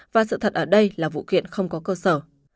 và sự thật ở đây là vụ kiện không có cơ sở